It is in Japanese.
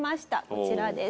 こちらです。